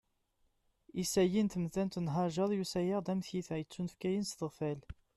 Isalli n tmettant n Haǧer yusa-aɣ-d am tiyita yettunefkayen s tɣeffal